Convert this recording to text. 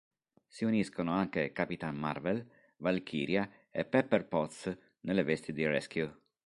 Si uniscono anche Capitan Marvel, Valchiria e Pepper Potts nelle vesti di Rescue.